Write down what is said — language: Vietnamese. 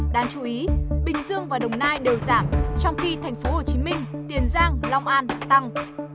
đáng chú ý bình dương và đồng nai đều giảm trong khi thành phố hồ chí minh tiền giang long an tăng